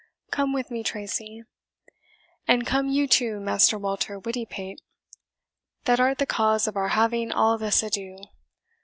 Come with me, Tracy, and come you too, Master Walter Wittypate, that art the cause of our having all this ado.